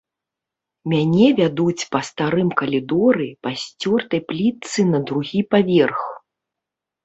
Мяне вядуць па старым калідоры, па сцёртай плітцы на другі паверх.